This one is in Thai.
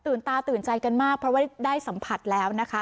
ตาตื่นใจกันมากเพราะว่าได้สัมผัสแล้วนะคะ